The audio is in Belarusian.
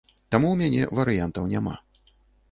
Таму ў мяне варыянтаў няма.